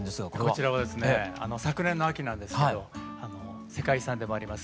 こちらは昨年の秋なんですけど世界遺産でもあります